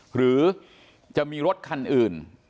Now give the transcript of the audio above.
หรือจะมีรถคันอื่น